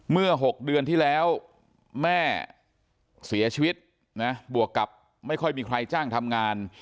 เมื่อ๖เดือนที่แล้วแม่เสียชีวิตนะบวกกับไม่ค่อยมีใครจ้างทำงาน